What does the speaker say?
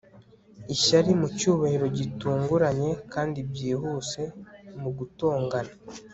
Ishyari mucyubahiro gitunguranye kandi byihuse mu gutongana